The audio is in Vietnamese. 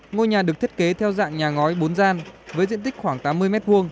ngôi nhà được thiết kế theo dạng nhà ngói bốn gian với diện tích khoảng tám mươi m hai